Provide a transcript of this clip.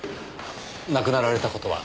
亡くなられた事は？